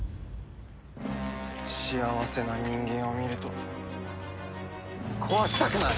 幸せな人間を見ると壊したくなる！